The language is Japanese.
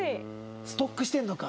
ストックしてるのか。